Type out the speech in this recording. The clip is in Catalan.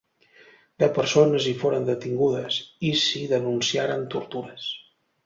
Deu persones hi foren detingudes, i s'hi denunciaren tortures.